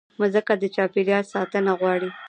مځکه د چاپېریال ساتنه غواړي.